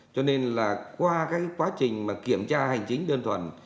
cho nên là qua cái quá trình mà kiểm tra hành chính đơn thuần